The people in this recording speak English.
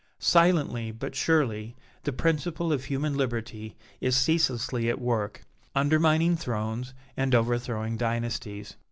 Silently but surely, the principle of human liberty is ceaselessly at work, undermining thrones and overthrowing dynasties.